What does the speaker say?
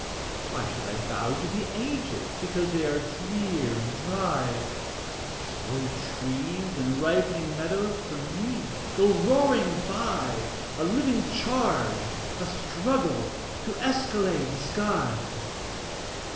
Why should I bow to the Ages Because they were drear and dry? Slow trees and ripening meadows For me go roaring by, A living charge, a struggle To escalade the sky.